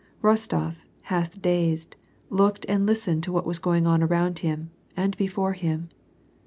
Rostof, half dazed, looked and listened to what was going on around him, and before him.